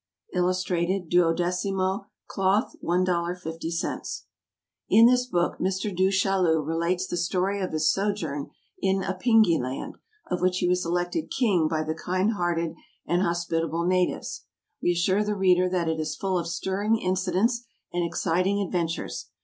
Illustrated. 12mo, Cloth, $1.50. In this book Mr. Du Chaillu relates the story of his sojourn in Apingi Land, of which he was elected king by the kind hearted and hospitable natives. We assure the reader that it is full of stirring incidents and exciting adventures.